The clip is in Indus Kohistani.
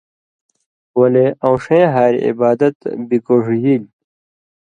ولے اؤن٘ݜَیں ہاریۡ عِبادت بِگوݜژیل تھی۔